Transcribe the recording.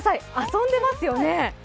遊んでますよね？